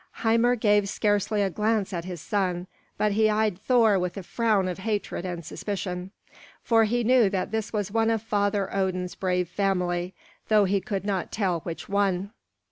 Hymir gave scarcely a glance at his son, but he eyed Thor with a frown of hatred and suspicion, for he knew that this was one of Father Odin's brave family, though he could not tell which one.